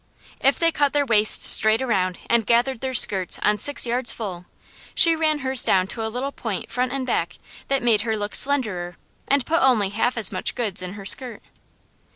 If they cut their waists straight around and gathered their skirts on six yards full, she ran hers down to a little point front and back, that made her look slenderer, and put only half as much goods in her skirt.